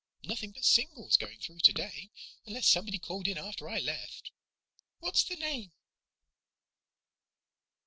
Nothing but singles going through today, unless somebody called in after I left. What's the name?"